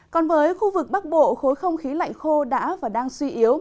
còn với khu vực bắc bộ khối không khí lạnh khô đã và đang suy yếu